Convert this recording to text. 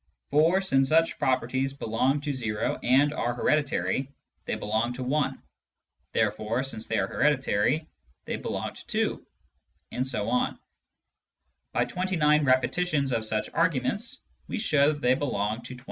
For since such properties belong to o and are hereditary, they belong to i ; therefore, since they are hereditary, they belong to 2, and so on ; by twenty nine repetitions of such arguments we show that they belong to 29.